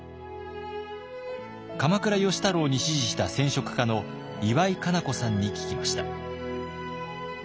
鎌倉芳太郎に師事した染織家の岩井香楠子さんに聞きました。